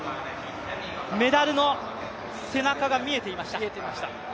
メダルの背中が見えていました。